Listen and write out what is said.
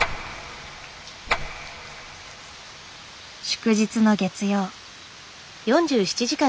祝日の月曜。